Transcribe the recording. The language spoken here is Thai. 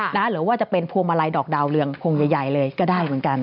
หรือว่าจะเป็นพวงมาลัยดอกดาวเรืองพวงใหญ่เลยก็ได้เหมือนกัน